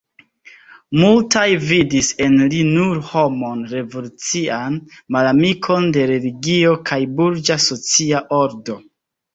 Multaj vidis en li nur homon revolucian, malamikon de religio kaj burĝa socia ordo.